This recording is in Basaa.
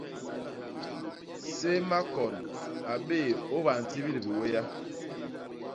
Sé Makoñ a bé ôbantibil biwéya.